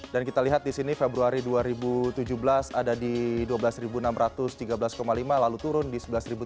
dan kita lihat di sini februari dua ribu tujuh belas ada di dua belas enam ratus tiga belas lima lalu turun di sebelas tiga ratus lima puluh empat